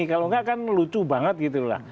kalau nggak kan lucu banget gitu loh